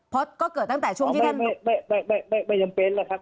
เพราะก็เกิดตั้งแต่ช่วงที่ท่านไม่ไม่จำเป็นแล้วครับ